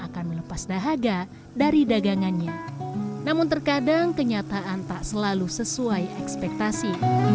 akan melepas dahaga dari dagangannya namun terkadang kenyataan tak selalu sesuai ekspektasi